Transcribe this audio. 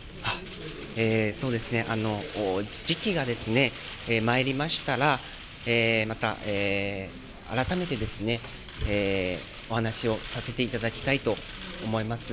そうですね、時機がですね、まいりましたら、また改めてですね、お話をさせていただきたいと思います。